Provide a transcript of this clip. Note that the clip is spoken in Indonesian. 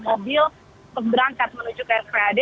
mobil berangkat menuju ke spad